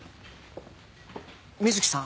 水木さん